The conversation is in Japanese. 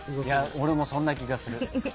俺もそんな気がする。